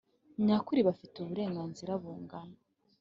nyakuri Bafite uburenganzira bungana